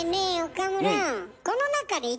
岡村。